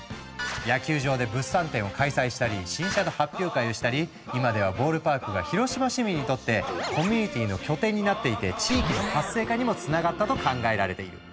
野球場で物産展を開催したり新車の発表会をしたり今ではボールパークが広島市民にとってコミュニティーの拠点になっていて地域の活性化にもつながったと考えられている。